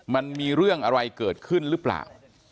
มันมีเรื่องอะไรเกิดขึ้นหรือเปล่า